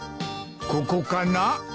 ここかな。